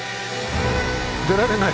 出られない。